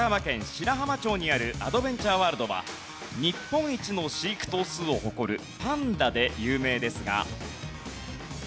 白浜町にあるアドベンチャーワールドは日本一の飼育頭数を誇るパンダで有名ですが。